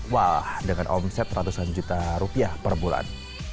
wah dengan omset ratusan juta rupiah per bulan